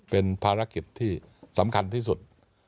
เป็นภารกิจที่สำคัญที่สุด